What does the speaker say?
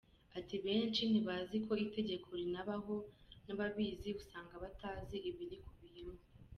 Ati “Benshi ntibazi ko itegeko rinabaho, n’ababizi usanga batazi ibirikubiyemo.